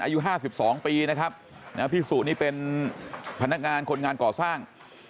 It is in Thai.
อายุ๕๒ปีนะครับพี่สุนี่เป็นพนักงานคนงานก่อสร้าง